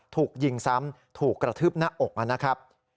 ถูกยิงซ้ำถูกกระทืบหน้าอกนะครับ